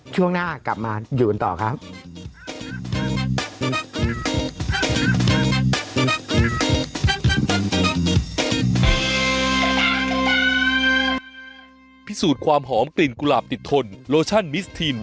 ช่วงหน้ากลับมาอยู่กันต่อครับ